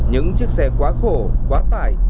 những chiếc xe quá khổ quá tải